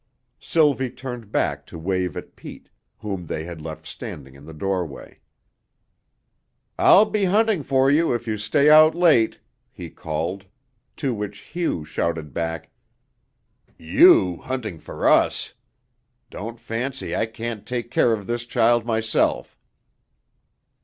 Sylvie turned back to wave at Pete, whom they had left standing in the doorway. "I'll be hunting for you if you stay out late," he called to which Hugh shouted back: "You hunting for us! Don't fancy I can't take care of this child, myself."